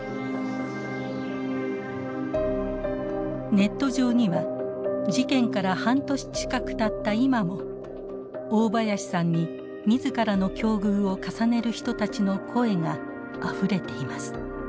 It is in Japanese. ネット上には事件から半年近くたった今も大林さんに自らの境遇を重ねる人たちの声があふれています。